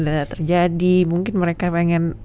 tidak terjadi mungkin mereka pengen